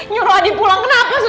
nyuruh adi pulang